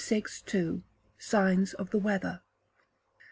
962. Signs of the Weather.